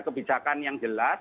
kebijakan yang jelas